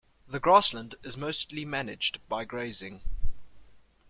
The grassland is mostly managed by grazing.